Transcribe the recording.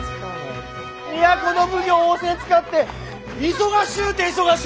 都の奉行を仰せつかって忙しゅうて忙しゅうて！